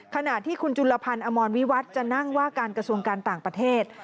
ขณะที่คุณจุลพันธ์อมรวิวัฒน์จะนั่งว่าการกระทรวงการต่างประเทศ